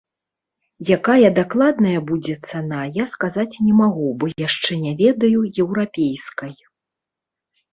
Якая дакладная будзе цана, я сказаць не магу, бо яшчэ не ведаю еўрапейскай.